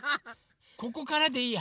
ここからでいいや。